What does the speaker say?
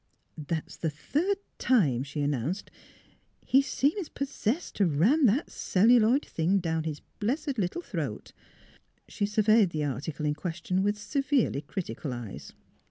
" That's the third time! " she announced; '' he seems possessed to ram that celluloid thing down his blessed little throat." She surveyed the article in question with se verely critical eyes.